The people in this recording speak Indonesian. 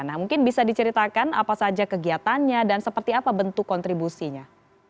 nah mungkin bisa diceritakan apa saja kegiatannya dan seperti apa bentuk kontribusinya